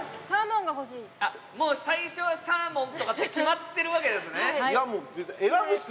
最初はサーモンとかって決まってるわけですね。